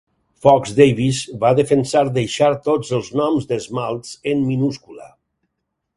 Fox-Davies va defensar deixar tots els noms d'esmalts en minúscula.